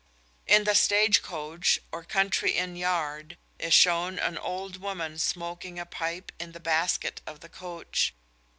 In The Stage Coach, or Country Inn yard, is shown an old woman smoking a pipe in the "basket" of the coach.